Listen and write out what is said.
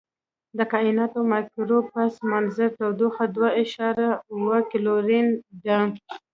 د کائناتي مایکروویو پس منظر تودوخه دوه اعشاریه اووه کیلوین ده.